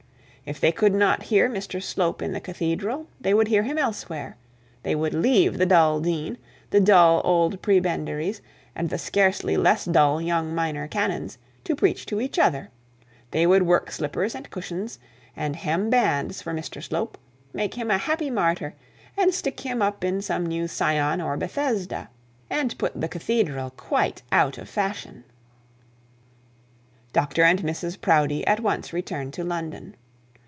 If they could not hear Mr Slope in the cathedral, they would hear him elsewhere; they would leave the dull dean, the dull old prebendaries, and the scarcely less dull young minor canons, to preach to each other; they would work slippers and cushions, and hem bands for Mr Slope, make him a happy martyr, and stick him up in some new Sion or Bethesda, and put the cathedral quite out of fashion. Dr and Mrs Proudie at once returned to London.